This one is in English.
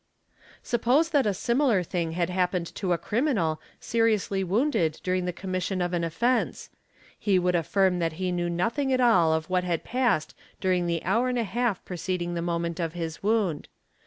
Suppose that a similar thing had happened to a criminal seriously wounded during the commission of an offence; he would affirm that he — knew nothing at all of what had passed during the hour and a half preceding the moment of his wound.